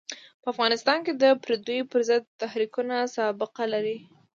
په افغانستان کې د پرديو پر ضد تحریکونه سابقه لري.